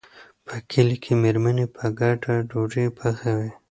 په کلي کې مېرمنې په ګډه ډوډۍ پخوي.